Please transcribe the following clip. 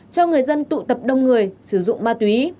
cho người dân tụ tập đông người sử dụng ma túy